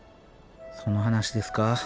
その話ですか。